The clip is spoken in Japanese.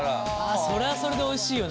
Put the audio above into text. それはそれでおいしいよね。